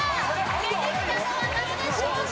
出てきたのは誰でしょう？